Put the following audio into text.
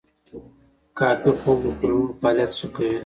کافي خوب د کولمو فعالیت ښه کوي.